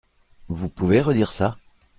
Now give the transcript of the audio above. Vous pouvez redire ça ?